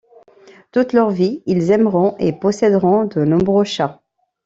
Toute leur vie ils aimeront et posséderont de nombreux chats.